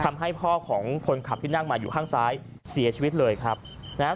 ทำให้พ่อของคนขับที่นั่งมาอยู่ข้างซ้ายเสียชีวิตเลยครับนะฮะ